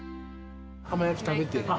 浜焼き食べて。